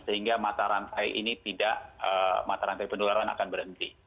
sehingga mata rantai ini tidak mata rantai penularan akan berhenti